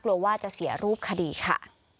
กลัวว่าจะเสียรูปคดีค่ะ